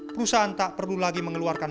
perusahaan tak perlu lagi mengeluarkan